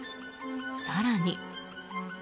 更に。